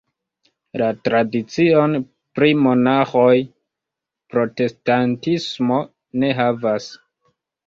La tradicion pri Monaĥoj protestantismo ne havas.